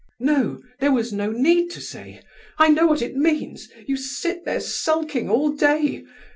"No, there was no need to say. I know what it means. You sit there sulking all day.